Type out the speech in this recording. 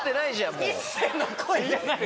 もう壱成の声じゃない！